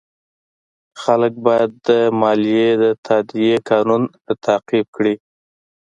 خلک باید د مالیې د تادیې قانون تعقیب کړي.